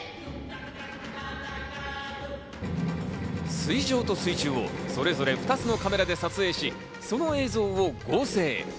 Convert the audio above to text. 水上と水中をそれぞれ２つのカメラで撮影し、その映像を合成。